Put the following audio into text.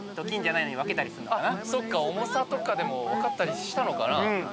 重さとかで分かったりしたのかな。